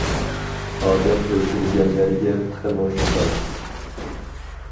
ئادەم ئۆلتۈرگەنلەرگە تېخىمۇ شۇنداق.